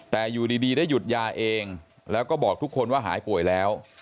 แต่อยู่ดีได้หยุดยาเองแล้วก็บอกทุกคนว่าหายป่วยแล้ว